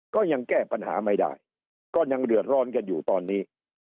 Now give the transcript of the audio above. ก็ยังแก้ปัญหาไม่ได้ก็ยังเดือดร้อนกันอยู่ตอนนี้